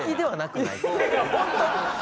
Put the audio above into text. ホント！